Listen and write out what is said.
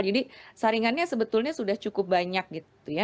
jadi saringannya sebetulnya sudah cukup banyak gitu ya